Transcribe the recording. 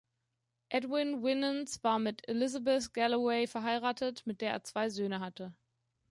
Edwin Winans war mit Elizabeth Galloway verheiratet, mit der er zwei Söhne hatte.